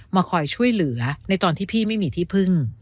มาคอยช่วยเหลือในตอนที่พี่ไม่มีที่พึ่ง